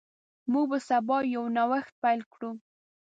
موږ به سبا یو نوښت پیل کړو.